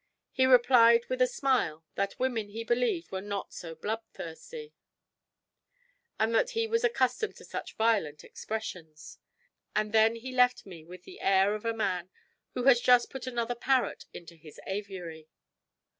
He replied, with a smile, that women, he believed, were not, so bloodthirsty, and that he was accustomed to such violent expressions; and then left me with the air of a man who had just put another parrot into his aviary.